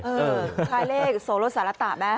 เออค่าเลขโสโลสารัตตาไหม